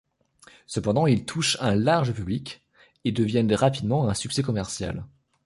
Cependant, ils touchent un large public et deviennent rapidement un succès commercial.